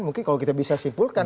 mungkin kalau kita bisa simpulkan